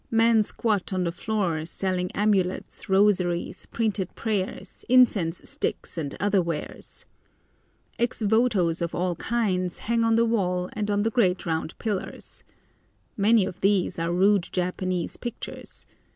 Men squat on the floor selling amulets, rosaries, printed prayers, incense sticks, and other wares. Ex votos of all kinds hang on the wall and on the great round pillars. Many of these are rude Japanese pictures.